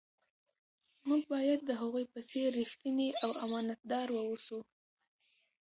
موږ باید د هغوی په څیر ریښتیني او امانتدار واوسو.